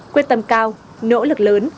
quyết tâm cao nỗ lực lớn